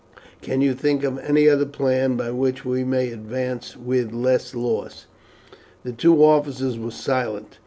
Can you think of any other plan by which we may advance with less loss?" The two officers were silent.